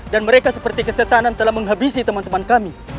dan mereka seperti kesetanan telah menghabisi teman teman kami